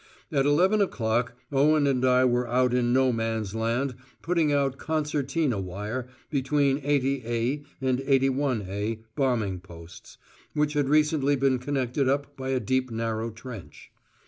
At eleven o'clock Owen and I were out in No Man's Land putting out concertina wire between 80A and 81A bombing posts, which had recently been connected up by a deep narrow trench.